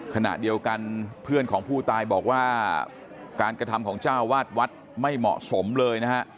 ขณะเดียวกันเพื่อนของผู้ตายบอกว่าการกระทำของเจ้าวาดวัดไม่เหมาะสมเลยนะฮะ